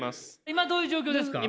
今どういう状況ですか？